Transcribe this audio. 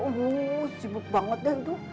uuh sibuk banget ya itu